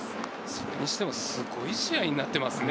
それにしましても、すごい試合になっていますね